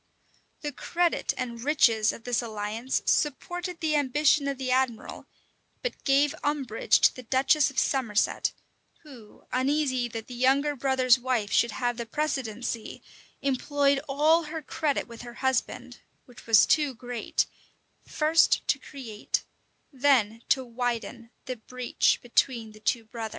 The credit and riches of this alliance supported the ambition of the admiral, but gave umbrage to the duchess of Somerset, who, uneasy that the younger brother's wife should have the precedency, employed all her credit with her husband, which was too great, first to create, then to widen the breach between the two brothers.